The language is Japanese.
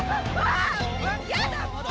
やだもう！